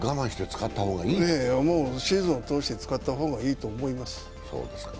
シーズンを通して使ったほうがいいと思います。